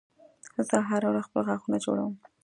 زه هره ورځ خپل غاښونه جوړوم